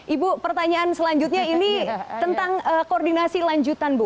ibu pertanyaan selanjutnya ini tentang koordinasi lanjutan bu